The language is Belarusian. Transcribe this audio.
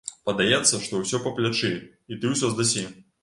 Падаецца, што ўсё па плячы і ты ўсё здасі.